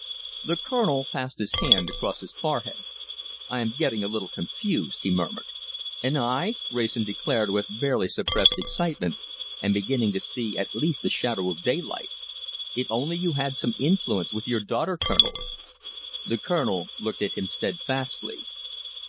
The Colonel passed his hand across his forehead. "I am getting a little confused," he murmured. "And I," Wrayson declared, with barely suppressed excitement, "am beginning to see at least the shadow of daylight. If only you had some influence with your daughter, Colonel!" The Colonel looked at him steadfastly.